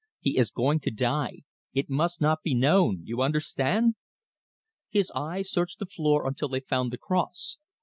"He is going to die. It must not be known you understand!" His eyes searched the floor until they found the cross.